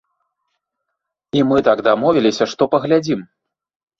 І мы так дамовіліся, што паглядзім.